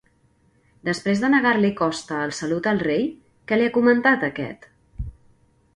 Després de negar-li Costa el salut al rei, què li ha comentat aquest?